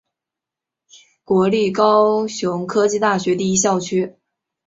国立高雄科技大学第一校区。